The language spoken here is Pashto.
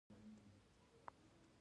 د کوریوم د کیوري کورنۍ په نوم دی.